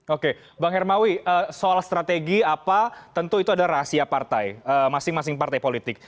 oke bang hermawi soal strategi apa tentu itu ada rahasia partai masing masing partai politik